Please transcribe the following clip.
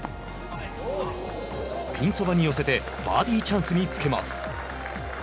ピンそばに寄せてバーディーチャンスにつけます。